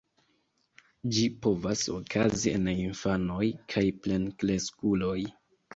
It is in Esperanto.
Ĝi povas okazi en infanoj kaj plenkreskuloj.